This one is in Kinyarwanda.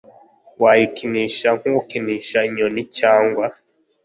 Wayikinisha nk ukinisha inyoni Cyangwa